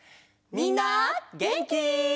みんなげんき？